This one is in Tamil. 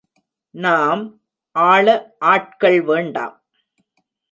நாம் ஆள ஆட்கள் வேண்டாம்!